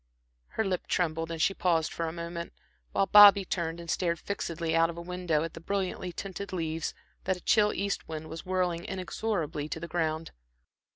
Her lip trembled and she paused for a moment, while Bobby turned and stared fixedly out of the window at the brilliantly tinted leaves that a chill east wind was whirling inexorably to the ground.